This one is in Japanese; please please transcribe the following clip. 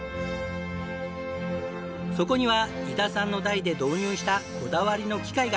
そこには伊田さんの代で導入したこだわりの機械が。